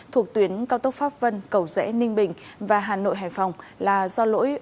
thuộc tuyến cao tốc pháp vân cầu dễ ninh bình và hà nội hải phòng